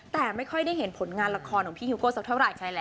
แต่ไม่ค่อยได้เห็นผลงานละครของพี่ฮิวโก้สักเท่าไหร่ใครแหละ